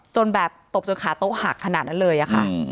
จนแบบตบจนขาโต๊ะหักขนาดนั้นเลยค่ะ